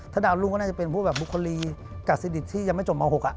ถ้าดาวรุ่งก็น่าจะเป็นพวกแบบบุคลีกัสซิดิตที่ยังไม่จบม๖